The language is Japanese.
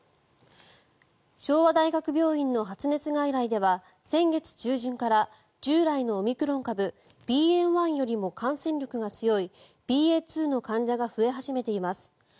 昭和大学病院の発熱外来では先月中旬から従来のオミクロン株ＢＡ．１よりも感染力が強いＢＡ．２の患者が増え始めています。